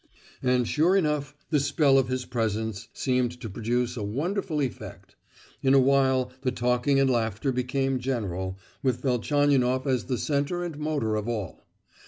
And sure enough the spell of his presence seemed to produce a wonderful effect; in a while the talking and laughter became general, with Velchaninoff as the centre and motor of all.